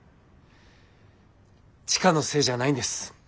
千佳のせいじゃないんです。